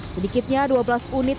sedikitnya dua belas unit